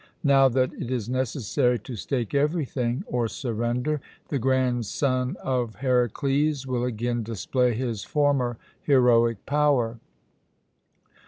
Now that it is necessary to stake everything or surrender, the grandson of Herakles will again display his former heroic power.